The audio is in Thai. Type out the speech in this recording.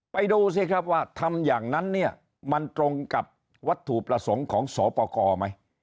ดูสิครับว่าทำอย่างนั้นเนี่ยมันตรงกับวัตถุประสงค์ของสปกรไหม